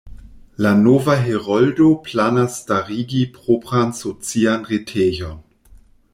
La nova Heroldo planas starigi propran socian retejon.